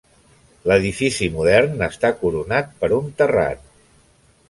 L'edifici modern està coronat per un terrat.